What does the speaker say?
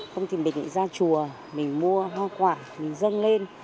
không thì mình lại ra chùa mình mua hoa quả mình dâng lên